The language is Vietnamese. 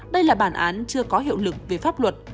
đây là bản án chưa có hiệu lực về pháp luật